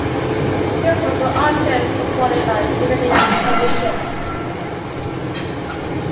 This was the option supported by the Millennium Commission.